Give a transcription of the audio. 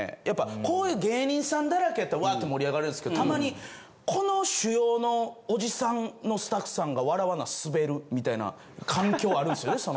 やっぱこういう芸人さんだらけやったらわぁと盛り上がるんっすけどたまにこの主要のおじさんのスタッフさんが笑わなスベるみたいな環境あるんですよね。